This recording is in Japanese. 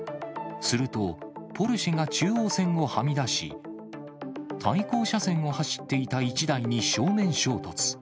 すると、ポルシェが中央線をはみ出し、対向車線を走っていた１代に正面衝突。